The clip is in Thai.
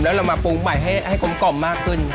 แล้วเรามาปรุงใหม่ให้กลมกล่อมมากขึ้น